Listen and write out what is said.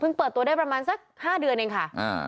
เปิดตัวได้ประมาณสัก๕เดือนเองค่ะ